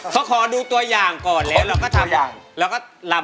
เขาก็กลัวว่าหน้าก็จะกลับจับ